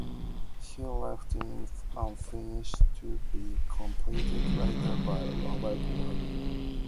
He left it unfinished, to be completed later by Robert Wagner.